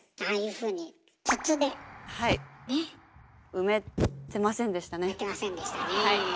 埋めてませんでしたねえ。